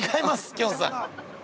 きょんさん。